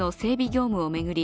業務を巡り